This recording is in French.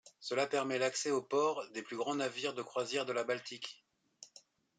Cela permet l'accès au port des plus grands navires de croisière de la Baltique.